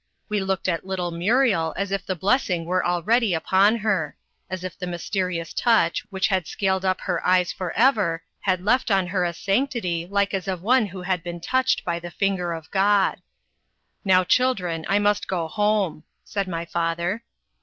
We looked at little Muriel as if the blessing were already upon her; as if the mysterious touch which had scaled up her eyes for ever had left on her a sanctity like as of one who has been touched by the finger of God. "Now, children, I must go home," said my father.